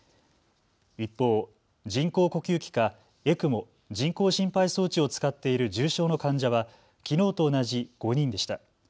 一方、人工呼吸器かＥＣＭＯ・人工心肺装置を使っている重症の患者はきのうと同じ５人でした。